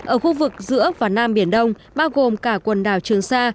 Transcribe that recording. ở khu vực giữa và nam biển đông bao gồm cả quần đảo trường sa